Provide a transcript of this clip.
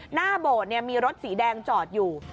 หน้าโบสถ์มีรถสีแดงจอดอยู่